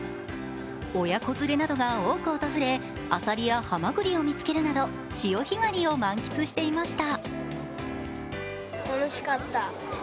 親子連れなどが多く訪れアサリやハマグリを見つけるなど潮干狩りを満喫していました。